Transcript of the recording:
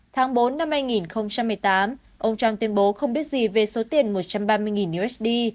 tháng bốn năm hai nghìn một mươi tám ông trump tuyên bố không biết gì về số tiền một trăm ba mươi usd